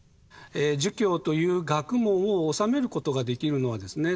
儒教という学問を修めることができるのはですね